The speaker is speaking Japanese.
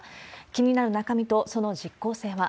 気になる中身と、その実効性は。